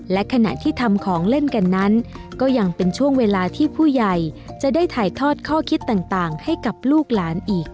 และขณะที่ทำของเล่นกันนั้นก็ยังเป็นช่วงเวลาที่ผู้ใหญ่จะได้ถ่ายทอดข้อคิดต่างให้กับลูกหลานอีก